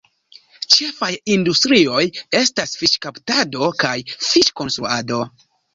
Ĉefaj industrioj estas fiŝkaptado kaj ŝipkonstruado.